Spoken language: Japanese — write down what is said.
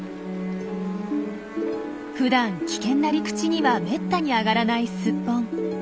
ふだん危険な陸地にはめったに上がらないスッポン。